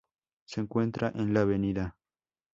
Se encuentra en la Av.